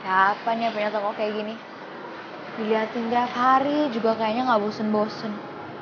ya apa nih apanya toko kayak gini diliatin tiap hari juga kayaknya gak bosen bosen